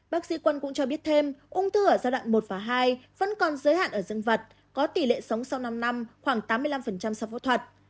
bác sĩ quân cũng cho biết thêm ung thư ở giai đoạn một và hai vẫn còn giới hạn ở dương vật có tỷ lệ sống sau năm năm khoảng tám mươi năm sau phẫu thuật